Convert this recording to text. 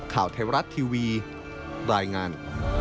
ข่าวไทยรัฐทีวีรายงาน